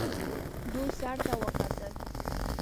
دوی سړي ته وکتل.